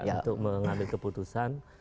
untuk mengambil keputusan